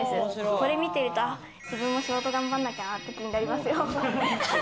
これ見てると自分も仕事頑張んなきゃなっていう気になりますよ。